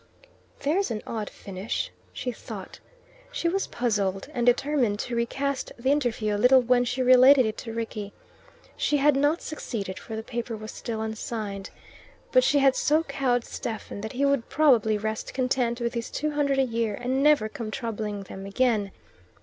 "There's an odd finish," she thought. She was puzzled, and determined to recast the interview a little when she related it to Rickie. She had not succeeded, for the paper was still unsigned. But she had so cowed Stephen that he would probably rest content with his two hundred a year, and never come troubling them again.